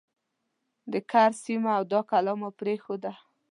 د کرز سیمه او دا کلا مو پرېښوده.